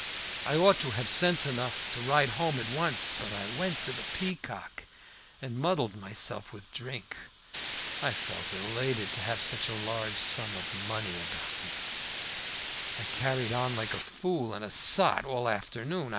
I ought to have had sense enough to ride home at once, but I went to the Peacock and muddled myself with drink. I felt elated at having such a large sum of money about me, and carried on like a fool and a sot all afternoon.